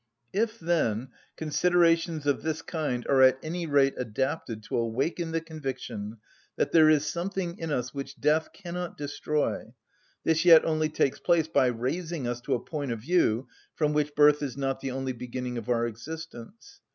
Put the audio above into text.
If, then, considerations of this kind are at any rate adapted to awaken the conviction that there is something in us which death cannot destroy, this yet only takes place by raising us to a point of view from which birth is not the beginning of our existence.